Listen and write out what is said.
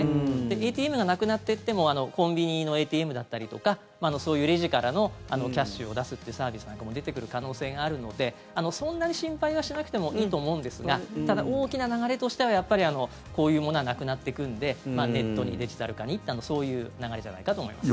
ＡＴＭがなくなってってもコンビニのＡＴＭだったりとかそういうレジからのキャッシュを出すってサービスなんかも出てくる可能性があるのでそんなに心配はしなくてもいいと思うんですがただ、大きな流れとしてはやっぱり、こういうものはなくなっていくのでネットに、デジタル化にってそういう流れじゃないかと思います。